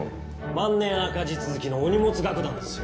万年赤字続きのお荷物楽団ですよ。